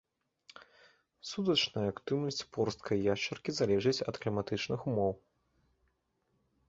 Сутачная актыўнасць порсткай яшчаркі залежыць ад кліматычных умоў.